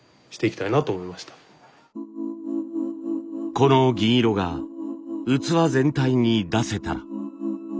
この銀色が器全体に出せたら。